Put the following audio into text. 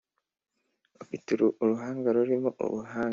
ufite uruhanga rurimo ubuhanga